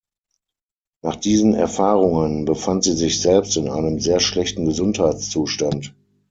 Nach diesen Erfahrungen befand sie sich selbst in einem sehr schlechten Gesundheitszustand.